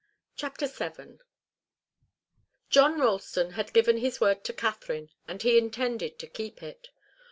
CHAPTER VII. John Ralston had given his word to Katharine and he intended to keep it.